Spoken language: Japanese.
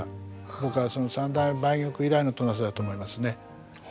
僕はその三代目梅玉以来の戸無瀬だと思いますね。